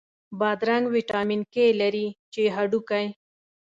بادرنګ ویټامین K لري، چې هډوکی